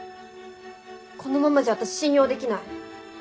このままじゃ私信用できない。